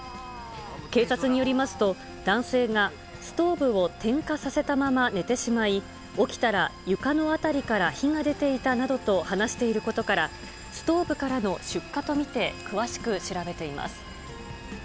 警察によりますと、男性がストーブを点火させたまま寝てしまい、起きたら床の辺りから火が出ていたなどと話していることから、ストーブからの出火と見て、詳しく調べています。